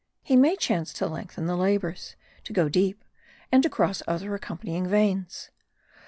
He may chance to lengthen the labours, to go deep, and to cross other accompanying veins.